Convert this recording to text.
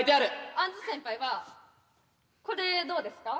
アンズ先輩はこれどうですか？